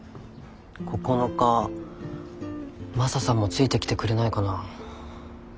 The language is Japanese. ９日マサさんもついてきてくれないかな。